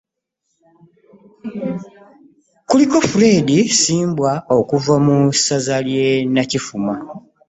Kuliko Fred Ssimbwa okuva mu ssaza lye Nakifuma